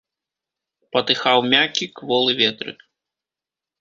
Патыхаў мяккі, кволы ветрык.